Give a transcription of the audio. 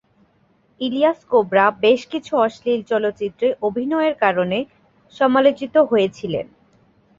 ইলিয়াস কোবরা বেশ কিছু অশ্লীল চলচ্চিত্রে অভিনয়ের কারণে, সমালোচিত হয়েছিলেন।